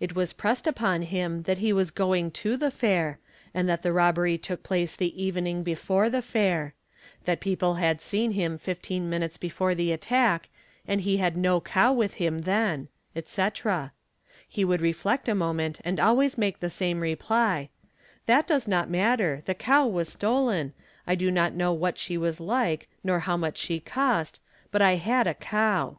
It was pressed upon him that he was going to the' fair and that the robbery took place the evening before the fair; that people had seei him 15 minutes before the attack and he had no cow with him ther etc.; he would reflect 2 moment and always make the same reply ;" That does not matter; the cow was stolen, I do not know what she was li : SPECIAL CONSIDERATIONS—WOUNDS ON THE HEAD 83 39 _ nor how much she cost, but I had a cow.